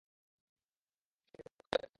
সে এত সহজে মরবে না।